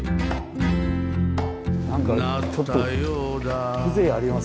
何かちょっと風情ありますね